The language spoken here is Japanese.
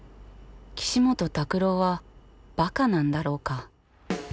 岸本拓朗はばかなんだろうか。